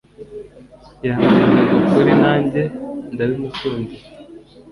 yambwizaga ukuri nanjye nkabimukundira